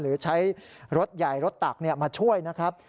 หรือใช้รถใหญ่รถตักมาช่วยนะครับ